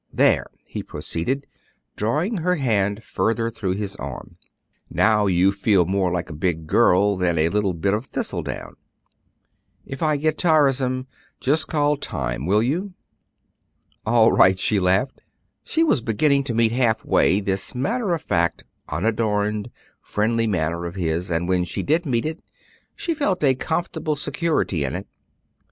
There," he proceeded, drawing her hand farther through his arm, "now you feel more like a big girl than like a bit of thistledown. If I get tiresome, just call 'time,' will you?" "All right," she laughed. She was beginning to meet halfway this matter of fact, unadorned, friendly manner of his; and when she did meet it, she felt a comfortable security in it.